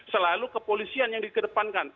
selalu kepolisian yang dikedepankan